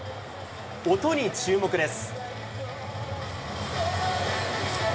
音に注目です。